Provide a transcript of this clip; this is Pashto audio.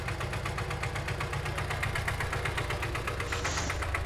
ګلاب د پاکو احساساتو استازی دی.